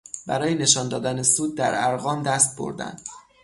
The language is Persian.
برای نشان دادن سود در ارقام دست بردن